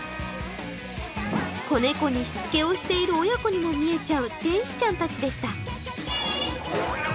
子猫にしつけをしている親子にも見えちゃう天使ちゃんでした。